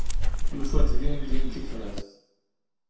Yufa-d din din tifrat.